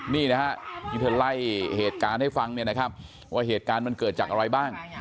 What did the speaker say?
นี่นะฮะที่เธอไล่เหตุการณ์ให้ฟังเนี่ยนะครับว่าเหตุการณ์มันเกิดจากอะไรบ้าง